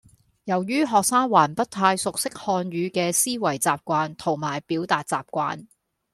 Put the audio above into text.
由於學生還不太熟悉漢語嘅思維習慣同埋表達習慣